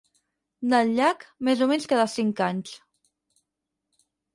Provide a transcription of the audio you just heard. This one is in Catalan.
Del llac, més o menys cada cinc anys.